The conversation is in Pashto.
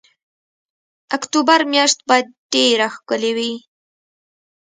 اکتوبر میاشت باید ډېره ښکلې وي.